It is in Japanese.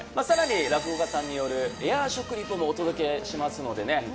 さらに落語家さんによるエア食リポもお届けしますのでね